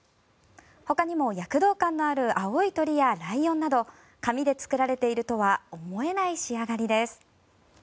ほかにも躍動感のある青い鳥やライオンなど紙で作られているとは思えない仕上がりです。